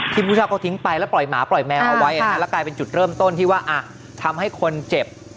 ผู้เช่าเขาทิ้งไปแล้วปล่อยหมาปล่อยแมวเอาไว้แล้วกลายเป็นจุดเริ่มต้นที่ว่าทำให้คนเจ็บ